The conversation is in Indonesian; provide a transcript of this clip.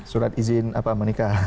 surat izin apa menikah